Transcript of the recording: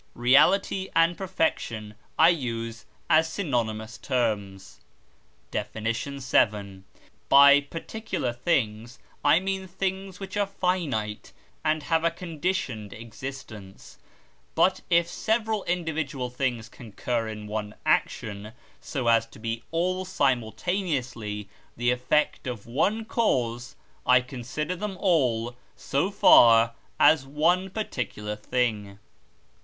Reality and perfection I use as synonymous terms. DEFINITION VII. By particular things, I mean things which are finite and have a conditioned existence; but if several individual things concur in one action, so as to be all simultaneously the effect of one cause, I consider them all, so far, as one particular thing.